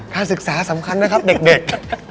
การศึกษาสำคัญนะครับเด็ก